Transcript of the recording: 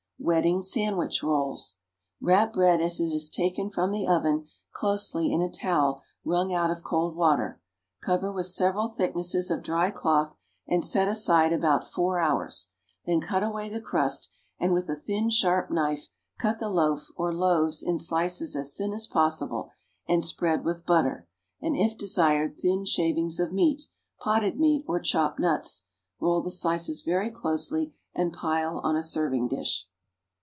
=Wedding Sandwich Rolls.= Wrap bread as it is taken from the oven closely in a towel wrung out of cold water, cover with several thicknesses of dry cloth and set aside about four hours; then cut away the crust, and with a thin, sharp knife cut the loaf or loaves in slices as thin as possible and spread with butter, and, if desired, thin shavings of meat, potted meat or chopped nuts; roll the slices very closely and pile on a serving dish.